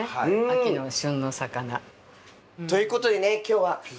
秋の旬の魚。ということでね今日はこちらの大鱸。